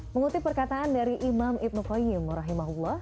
mengutip perkataan dari imam ibn qayyim